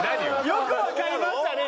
「よくわかりましたね」